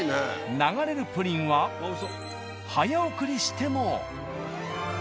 流れるプリンは早送りしても。